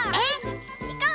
いこう！